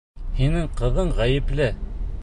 Һинең ҡыҙың ғәйепле!